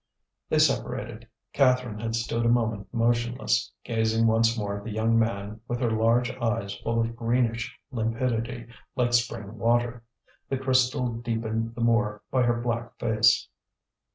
They separated. Catherine had stood a moment motionless, gazing once more at the young man with her large eyes full of greenish limpidity like spring water, the crystal deepened the more by her black face.